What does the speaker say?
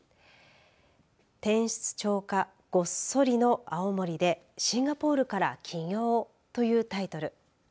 転出超過ごっそりの青森でシンガポールから起業！？というタイトル。